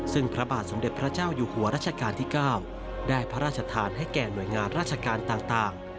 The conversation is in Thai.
ซึ่งพระบาทสมเด็จพระเจ้าอยู่หัวรัชกาลที่๙ได้พระราชทานให้แก่หน่วยงานราชการต่าง